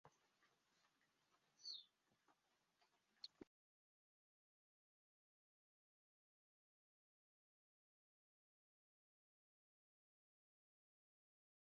Antaŭe li laboris en Eŭropa Parlamento kaj ministerio pri instruo kaj kulturo de Finnlando.